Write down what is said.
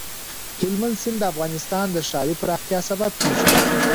هلمند سیند د افغانستان د ښاري پراختیا سبب کېږي.